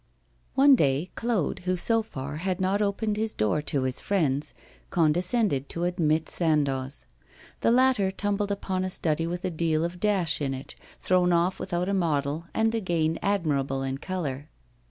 One day Claude, who, so far, had not opened his door to his friends, condescended to admit Sandoz. The latter tumbled upon a study with a deal of dash in it, thrown off without a model, and again admirable in colour.